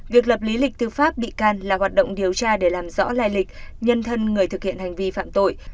việc lập lý lịch tư pháp bị can là hoạt động điều tra để làm rõ lai lịch nhân thân người thực hiện hành vi phạm tội